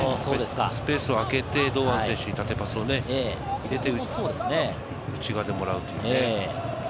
スペースを空けて、堂安選手に縦パスを入れて、内側でもらうという。